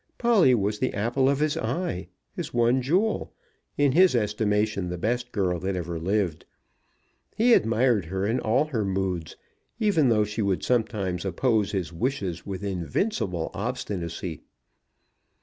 Polly was the apple of his eye; his one jewel; in his estimation the best girl that ever lived. He admired her in all her moods, even though she would sometimes oppose his wishes with invincible obstinacy.